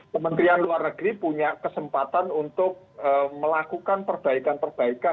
kementerian luar negeri punya kesempatan untuk melakukan perbaikan perbaikan